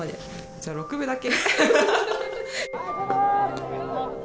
じゃあ６部だけ。